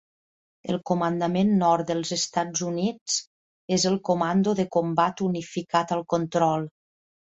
El Comandament Nord dels Estats Units és el Comando de Combat Unificat al control.